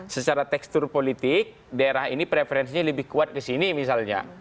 secara tekstur politik daerah ini preferensinya lebih kuat ke sini misalnya